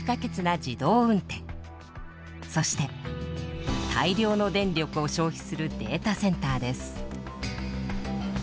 そして大量の電力を消費するデータセンターです。